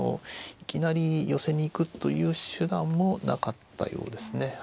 いきなり寄せに行くという手段もなかったようですね。